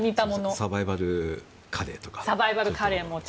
サバイバルカレーとか。